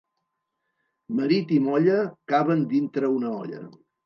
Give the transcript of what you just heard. Marit i molla caben dintre una olla.